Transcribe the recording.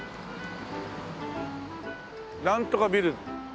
なんとかビル。